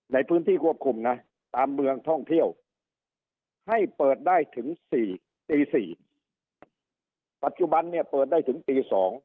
ในพื้นที่ควบคุมนะตามเมืองท่องเที่ยวให้เปิดได้ถึง๔ตี๔ปัจจุบันเนี่ยเปิดได้ถึงตี๒